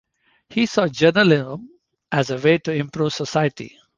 He saw journalism as a way to improve society.